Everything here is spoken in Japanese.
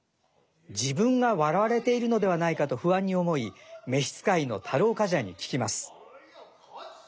自分が笑われているのではないかと不安に思い召し使いの太郎冠者に聞きます。